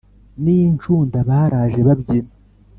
n’incunda baraje babyina,